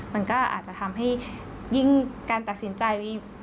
มันก็อาจจะทำให้ยิ่งการตัดสินใจ